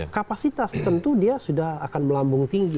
kapasitas tentu dia sudah akan melambung tinggi